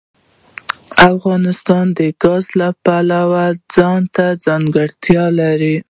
افغانستان د ګاز د پلوه ځانته ځانګړتیا لري.